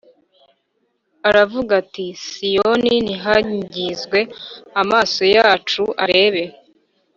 Aravuga ati i siyoni nihangizwe amaso yacu arebe